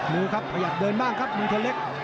มื้อครับพยายามเดินบ้างครับมันเฉล็ก